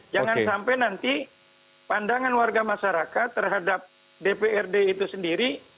jangan sampai nanti pandangan warga masyarakat terhadap dprd itu sendiri